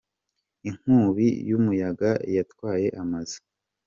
inkubiyu yumuyaga yatwaye amazu